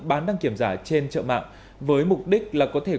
bán đăng kiểm giả trên trợ mạng với mục đích là có thể